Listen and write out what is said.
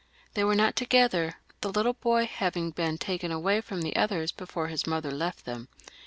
They were not together, the little boy having been taken away from the others before his mother left them.